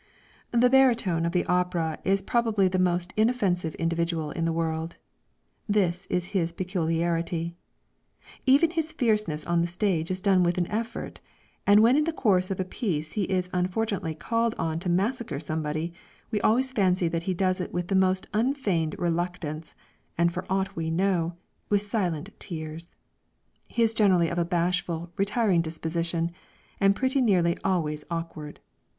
The Barytone of the opera is probably the most inoffensive individual in the world. This is his peculiarity. Even his fierceness on the stage is done with an effort; and when in the course of a piece he is unfortunately called on to massacre somebody, we always fancy that he does it with the most unfeigned reluctance, and for aught we know, with silent tears. He is generally of a bashful, retiring disposition, and pretty nearly always awkward.